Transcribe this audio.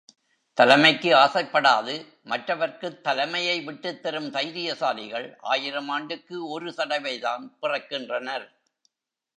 தலைமைக்கு ஆசைப்படாது மற்றவர்க்குத் தலைமையை விட்டுத்தரும் தைரியசாலிகள் ஆயிரம் ஆண்டுக்கு ஒரு தடவைதான் பிறக்கின்றனர்.